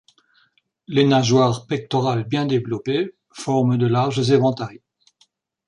Les nageoires pectorales bien développées forment de larges éventails.